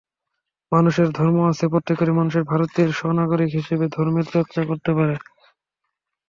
মানুষের ধর্ম আছে, প্রত্যেক মানুষই ভারতের সমনাগরিক হিসেবে ধর্মের চর্চা করতে পারে।